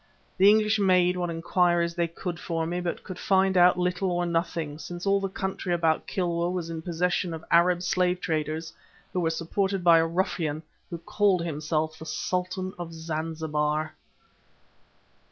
The English made what inquiries they could for me, but could find out little or nothing, since all the country about Kilwa was in possession of Arab slave traders who were supported by a ruffian who called himself the Sultan of Zanzibar."